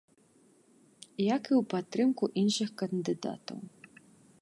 Як і ў падтрымку іншых кандыдатаў.